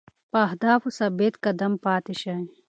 په اهدافو ثابت قدم پاتې شئ.